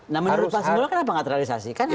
nah menurut pak singgul kenapa gak terrealisasi